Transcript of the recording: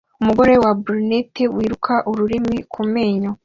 Umugore wa Brunette wiruka ururimi kumenyo